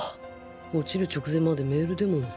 落ちる直前までメールでも